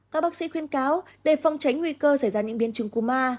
các bác sĩ khuyên cáo để phòng tránh nguy cơ xảy ra những biến chứng cú ma